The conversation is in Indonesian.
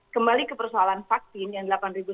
kembali ke persoalan vaksin yang delapan sembilan ratus